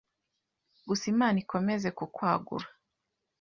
gusa Imana ikomeze kukwagura